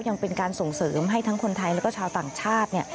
ยังเป็นการส่งเสริมให้ทั้งคนไทยแล้วก็ชาวต่างชาติ